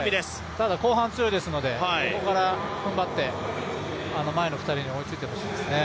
ただ、後半強いですのでここから踏ん張って前の２人に追いついてほしいですね。